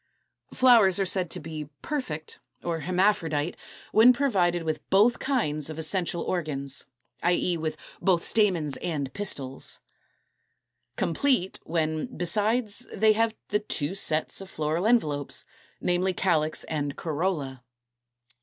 Flowers are said to be Perfect (hermaphrodite), when provided with both kinds of essential organs, i. e. with both stamens and pistils. Complete, when, besides, they have the two sets of floral envelopes, namely, calyx and corolla.